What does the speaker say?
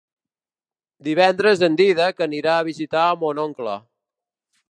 Divendres en Dídac anirà a visitar mon oncle.